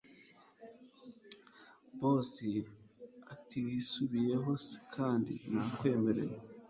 Boss atiwisubiyeho se kandi nakwemereye